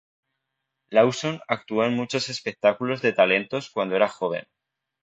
Lawson actuó en muchos espectáculos de talentos cuando era joven.